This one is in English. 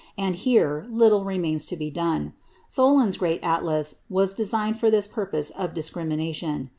And here little remains to be done. Thollon's great Atlas was designed for this purpose of discrimination.